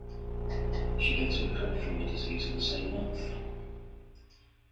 She later recovered from the disease in the same month.